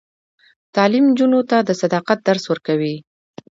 تعلیم نجونو ته د صداقت درس ورکوي.